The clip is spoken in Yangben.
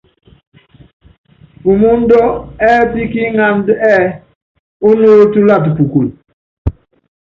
Pumúndɛ́ ɛ́ɛ́pí kí iŋánda ɛ́ɛ́: Ónuólo túlata pukul.